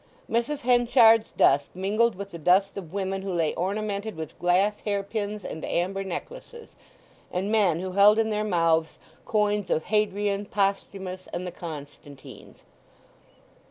Mrs. Henchard's dust mingled with the dust of women who lay ornamented with glass hair pins and amber necklaces, and men who held in their mouths coins of Hadrian, Posthumus, and the Constantines.